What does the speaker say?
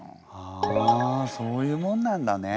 あそういうもんなんだね。